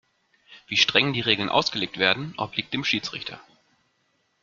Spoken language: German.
Wie streng die Regeln ausgelegt werden, obliegt dem Schiedsrichter.